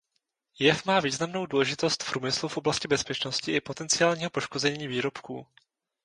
Jev má významnou důležitost v průmyslu v oblasti bezpečnosti i potenciálního poškození výrobků.